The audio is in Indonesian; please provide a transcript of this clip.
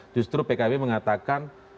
justru pkb mengatakan